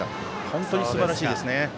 本当にすばらしいですね。